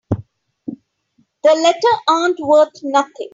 The letter ain't worth nothing.